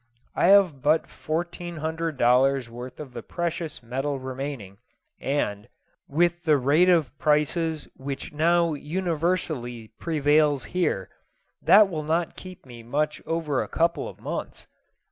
I have but fourteen hundred dollars' worth of the precious metal remaining, and, with the rate of prices which now universally prevails here, that will not keep me much over a couple of months.